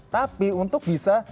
tapi untuk bisa